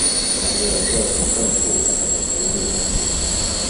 还有各种更复杂的独立工具。